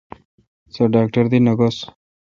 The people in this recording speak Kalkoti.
سو ڈاکٹر دی نہ گھوس۔